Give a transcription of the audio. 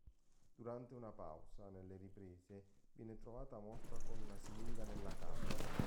Durante una pausa nelle riprese viene trovata morta con una siringa nella carne.